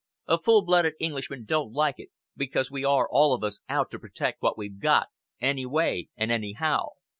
A full blooded Englishman don't like it, because we are all of us out to protect what we've got, any way and anyhow.